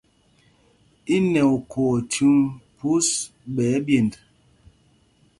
Í nɛ okhǒ o chúŋ phūs ɓɛ̌ ɛ́ɓyend ?